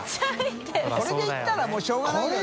海譴いったらもうしょうがないよね。